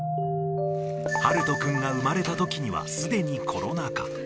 はるとくんが産まれたときには、すでにコロナ禍。